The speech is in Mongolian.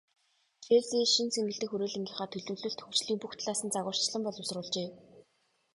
Челси шинэ цэнгэлдэх хүрээлэнгийнхээ төлөвлөлт, хөгжлийг бүх талаас нь загварчлан боловсруулжээ.